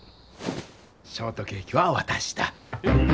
ショートケーキはわたしだ！